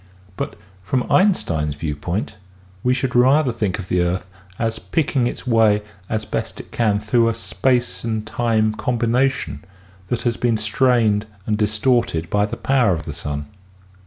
But from Einstein's viewpoint we should rather think of the earth as picking its way as best it can through a space and time combination that has been strained and distorted by the power of the sun.